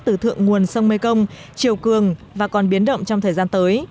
từ thượng nguồn sông mê công triều cường và còn biến động trong thời gian tới